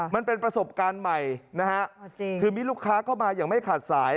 มันเป็นประสบการณ์ใหม่นะฮะคือมีลูกค้าเข้ามาอย่างไม่ขาดสาย